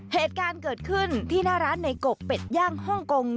เหตุการณ์เกิดขึ้นที่หน้าร้านในกบเป็ดย่างฮ่องกง